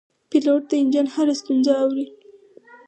پیلوټ د انجن هره ستونزه اوري.